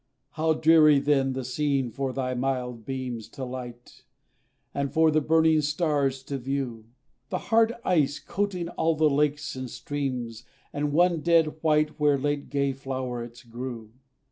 How dreary then the scene for thy mild beams To light, and for the burning stars to view! The hard ice coating all the lakes and streams, And one dead white where late gay flowerets grew.